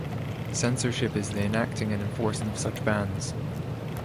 Censorship is the enacting and enforcing of such bans.